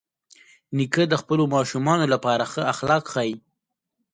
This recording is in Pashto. نیکه د خپلو ماشومانو لپاره ښه اخلاق ښيي.